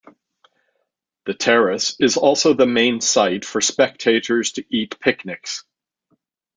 The terrace is also the main site for spectators to eat picnics.